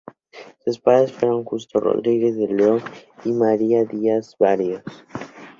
Sus padres fueron Justo Rodríguez de León y María Díaz Barrios.